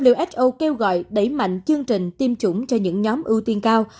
who kêu gọi đẩy mạnh chương trình tiêm chủng cho những nhóm ưu tiên cao